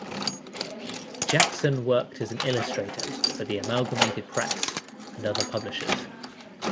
Jackson worked as an illustrator for the Amelgamated Press and other publishers.